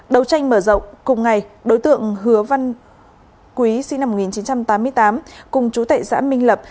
đầu tranh mở rộng cùng ngày đối tượng hứa văn quý sinh năm một nghìn chín trăm tám mươi tám cùng chú tệ xã minh lập